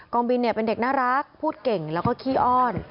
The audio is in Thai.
องบินเป็นเด็กน่ารักพูดเก่งแล้วก็ขี้อ้อน